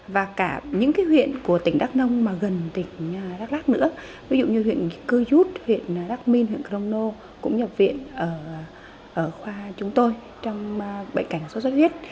và cả những huyện của tỉnh đắk nông mà gần tỉnh đắk lắc nữa ví dụ như huyện cư giút huyện đắk minh huyện crono cũng nhập viện ở khoa chúng tôi trong bệnh cảnh xuất xuất huyết